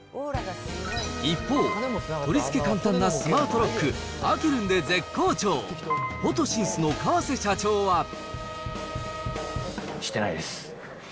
一方、取り付け簡単なスマートロック、アケルンで絶好調、フしてないです。